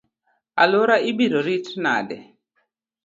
Aluora ibiro rit nade?